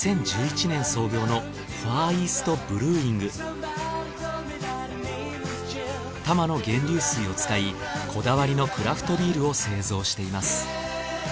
こちら多摩の源流水を使いこだわりのクラフトビールを製造しています。